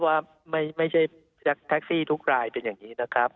ว่าไม่ใช่แท็กซี่ทุกรายเป็นอย่างนี้นะครับ